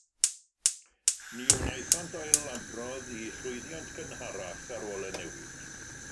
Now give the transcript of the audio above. Ni wnaethant ailadrodd eu llwyddiant cynharach ar ôl y newid.